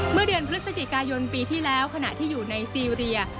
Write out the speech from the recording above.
เมื่อเดือนพฤศจิกายนปีที่แล้วขณะที่อยู่ในซีเรีย